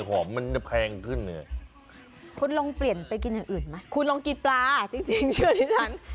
มันจะแพงขึ้นเนี่ยคุณลองเปลี่ยนไปกินอย่างอื่นไหมคุณลองกินปลาจริงเชื่อดิฉัน